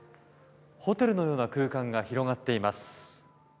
ホテルのような空間が広がっています。